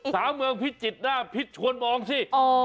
สาวเมืองพิจิตรหน้าพิษชวนมองสิ